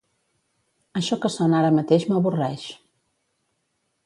Això que sona ara mateix m'avorreix.